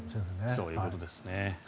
そういうことですね。